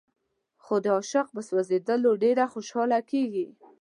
خو د عاشق په سوځېدلو ډېره خوشاله کېږي.